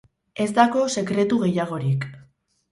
Ez dago sekretu gehiagorik.